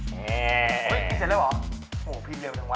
เฮ้ยเห็นเสร็จแล้วเหรอเพียงเรียบนะวะ